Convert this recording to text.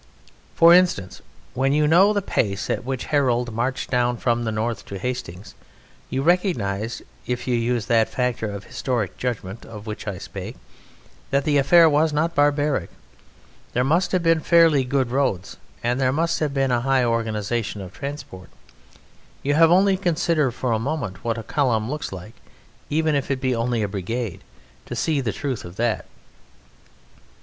For instance, when you know the pace at which Harold marched down from the north to Hastings you recognize, if you use that factor of historic judgment of which I spake, that the affair was not barbaric. There must have been fairly good roads, and there must have been a high organization of transport. You have only to consider for a moment what a column looks like, even if it be only a brigade, to see the truth of that.